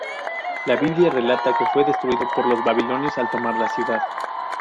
La Biblia relata que fue destruido por los babilonios al tomar la ciudad.